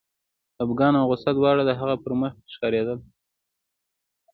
خپګان او غوسه دواړه د هغه په مخ کې ښکارېدل